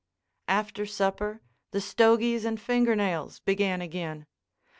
After supper, the stogies and finger nails began again.